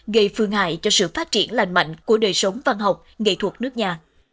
gây phương hại cho sự phát triển lành mạnh của đời sống văn học nghệ thuật nước nhà